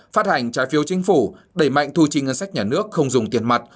phát hành trái phiếu chính phủ đẩy mạnh thu chi ngân sách nhà nước không dùng tiền mặt